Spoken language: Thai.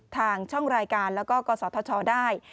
ทางช่องรายการและกศธได้